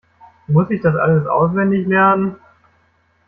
Muss ich das alles auswendig lernen?